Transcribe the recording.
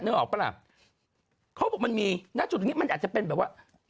ออกปะล่ะเขาบอกมันมีณจุดนี้มันอาจจะเป็นแบบว่า